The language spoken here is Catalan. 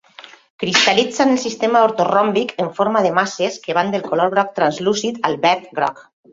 Cristal·litza en el sistema ortoròmbic en forma de masses que van del color groc translúcid al verd groc.